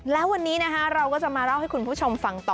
แล้ววันนี้นะคะเราก็จะมาเล่าให้คุณผู้ชมฟังต่อ